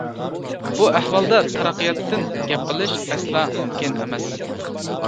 بۇ ئەھۋالدا تەرەققىياتتىن گەپ قىلىش ئەسلا مۇمكىن ئەمەس.